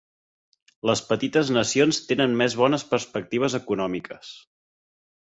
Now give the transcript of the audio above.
Les petites nacions tenen més bones perspectives econòmiques.